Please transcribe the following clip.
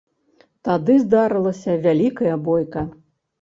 Тады здарылася вялікая бойка.